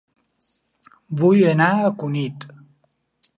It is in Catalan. Vull anar a Cunit